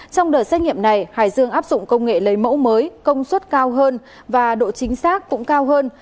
trong đợt xét nghiệm này hải dương áp dụng công nghệ lấy mẫu mới công suất cao hơn và độ chính xác cũng cao hơn